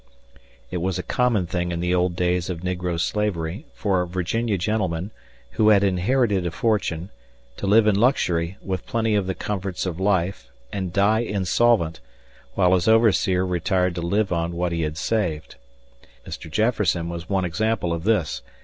It was a common thing in the old days of negro slavery for a Virginia gentleman, who had inherited a fortune, to live in luxury with plenty of the comforts of life and die insolvent; while his overseer retired to live on what he had saved. Mr. Jefferson was one example of this.